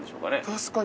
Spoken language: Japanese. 確かに。